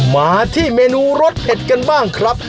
มาที่เมนูรสเผ็ดกันบ้างครับ